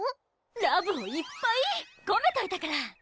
ラブをいっぱいこめといたから！